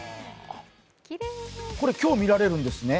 これ、今日見られるんですね？